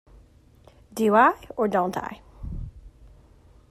Do I, or don't I?